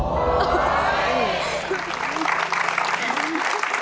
โอ้เฮ้ย